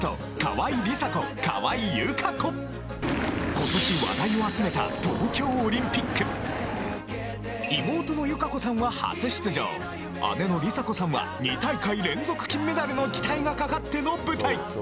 今年話題を集めた妹の友香子さんは姉の梨紗子さんは２大会連続金メダルの期待が掛かっての舞台